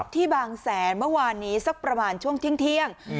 ที่บางแสนเมื่อวานนี้สักประมาณช่วงเที่ยง